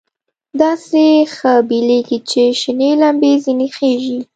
داسې ښه بلېږي چې شنې لمبې ځنې خېژي.